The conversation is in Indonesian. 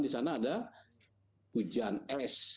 disana ada hujan es